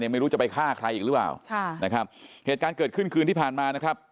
ไม่รู้จะไปฆ่าใครอีกหรือเปล่าค่ะนะครับเหตุการณ์เกิดขึ้นคืนที่ผ่านมานะครับ